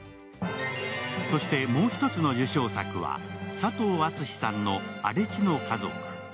そしてもう一つの受賞作は佐藤厚志さんの「荒地の家族」。